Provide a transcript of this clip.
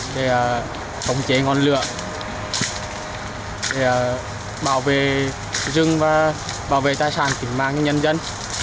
để phòng chế ngọn lửa để bảo vệ rừng và bảo vệ tài sản tỉnh mang cho nhân dân